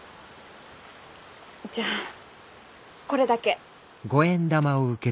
じゃあこれだけ。